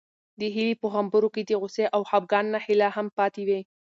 د هیلې په غومبورو کې د غوسې او خپګان نښې لا هم پاتې وې.